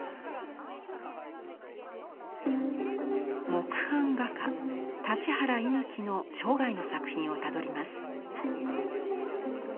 木版画家立原位貫の生涯の作品をたどります。